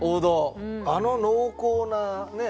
あの濃厚なね